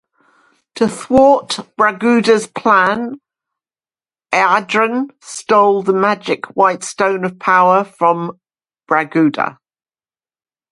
To thwart Braguda's plan, Adran stole the magic white stone of power from Braguda.